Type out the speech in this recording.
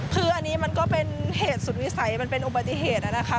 คืออันนี้มันก็เป็นเหตุสุดวิสัยมันเป็นอุบัติเหตุนะคะ